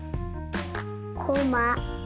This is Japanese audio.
こま。